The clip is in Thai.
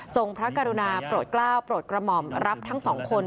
พระกรุณาโปรดกล้าวโปรดกระหม่อมรับทั้งสองคน